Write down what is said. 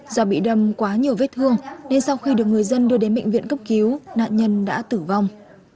do bị đâm quá nhiều vết thương nên sau khi được người dân đưa đến bệnh viện cấp cứu nạn nhân đã tử vong